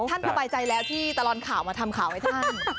สบายใจแล้วที่ตลอดข่าวมาทำข่าวให้ท่าน